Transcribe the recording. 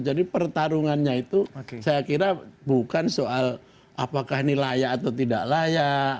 jadi pertarungannya itu saya kira bukan soal apakah ini layak atau tidak layak